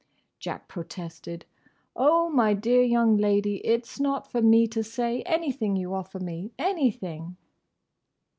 Jack protested, "Oh, my dear young lady!—It's not for me to say. Anything you offer me—anything!"